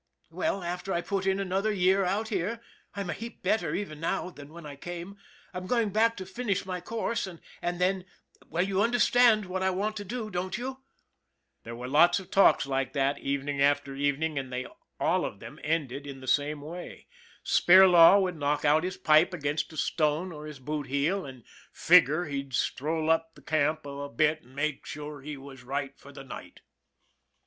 Well, after I put in another year out here I'm a heap better even now than when I came I'm going back to finish my course, and then well, you understand what I want to do, don't you ?" There were lots of talks like that, evening after even ing, and they all of them ended in the same way THE BUILDER 133 Spirlaw would knock out his pipe against a stone or his boot heel, and " figur' he'd stroll up the camp a bit an* make sure all was right for the night.'